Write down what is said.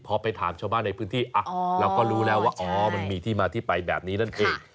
พอไปถามชาวบ้านในพื้นที่เราก็รู้แล้วว่าอ๋อมันมีที่มาที่ไปแบบนี้นั่นเอง